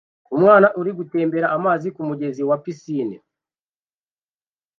Umwana uri gutemba amazi kumugezi wa pisine